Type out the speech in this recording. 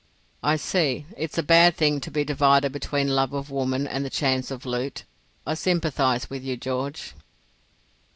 "I see. It's a bad thing to be divided between love of woman and the chance of loot. I sympathise with you, George."